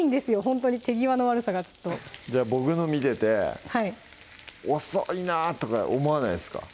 ほんとに手際の悪さがちょっとじゃあ僕の見てて「遅いな」とか思わないですか？